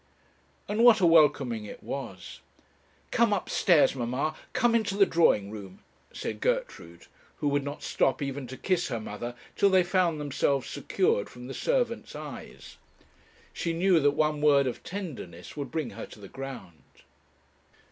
And what a welcoming it was! 'Come upstairs, mamma, come into the drawing room,' said Gertrude, who would not stop even to kiss her mother till they found themselves secured from the servants' eyes. She knew that one word of tenderness would bring her to the ground.